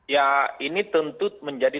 ya ini tentu menjadi